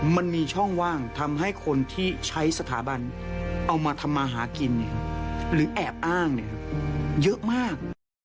มันมีช่องว่างทำให้คนที่ใช้สถาบันเอามาทำมาหากินหรือแอบอ้างเยอะมาก